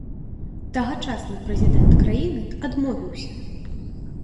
Тагачасны прэзідэнт краіны адмовіўся.